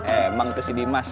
emang tuh si dimas